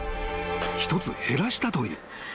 １つ減らしたという］